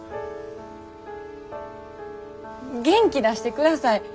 元気出してください。